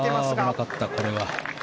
危なかった、これは。